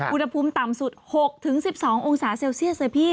อุณหภูมิต่ำสุด๖๑๒องศาเซลเซียสเลยพี่